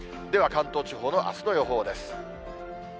では関東地方のあすの予報です。